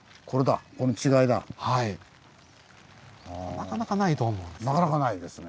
なかなかないと思うんですね。